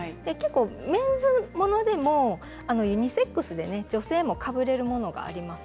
メンズものでもユニセックスで女性もかぶることができるものもあります。